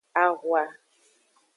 Ahwa.